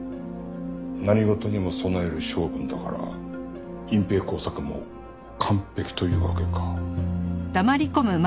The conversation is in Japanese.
何事にも備える性分だから隠蔽工作も完璧というわけか。